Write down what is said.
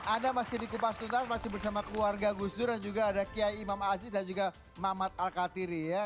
anda masih di kupas tuntas masih bersama keluarga gus dur dan juga ada kiai imam aziz dan juga mamat al katiri ya